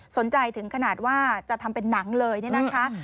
สนใจถึงขนาดว่าจะทำเป็นหนังเลยเนี่ยนะคะ